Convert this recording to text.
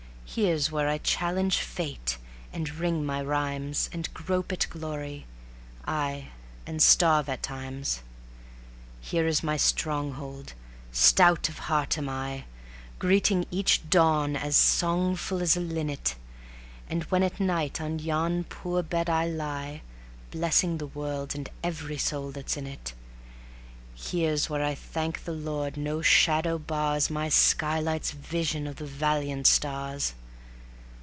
Here's where I challenge Fate and ring my rhymes, And grope at glory aye, and starve at times. Here is my Stronghold: stout of heart am I, Greeting each dawn as songful as a linnet; And when at night on yon poor bed I lie (Blessing the world and every soul that's in it), Here's where I thank the Lord no shadow bars My skylight's vision of the valiant stars.